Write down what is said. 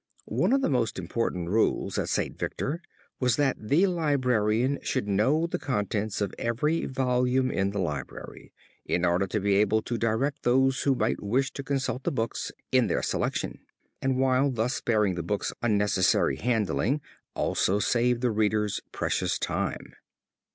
One of the most important rules at St. Victor was that the librarian should know the contents of every volume in the library, in order to be able to direct those who might wish to consult the books in their selection, and while thus sparing the books unnecessary handling also save the readers precious time.